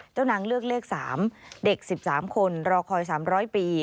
นางเลือกเลข๓เด็ก๑๓คนรอคอย๓๐๐ปี